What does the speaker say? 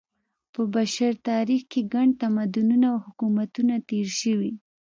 په بشر تاریخ کې ګڼ تمدنونه او حکومتونه تېر شوي.